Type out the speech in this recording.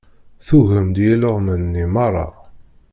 Tugem-d i ileɣman-nni meṛṛa.